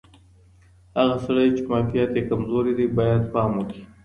هغه سړی چې معافیت یې کمزوری دی باید پام وکړي.